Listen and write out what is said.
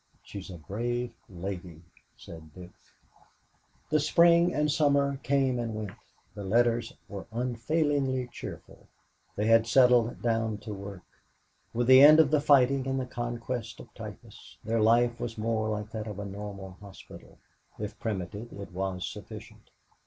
"She's a brave lady," said Dick. The spring and summer came and went. The letters were unfailingly cheerful. They had settled down to work. With the end of the fighting and the conquest of typhus their life was more like that of a normal hospital. If primitive, it was sufficient.